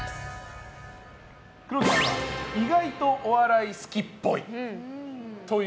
黒木さんは意外とお笑い好きっぽい。